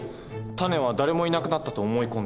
タネは誰もいなくなったと思い込んでいる。